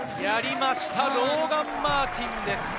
やりました、ローガン・マーティンです。